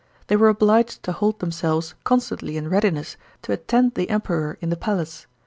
They were obliged to hold themselves constantly in readiness to attend the Emperor in the palace.